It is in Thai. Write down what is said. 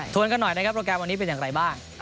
วนกันหน่อยนะครับโปรแกรมวันนี้เป็นอย่างไรบ้าง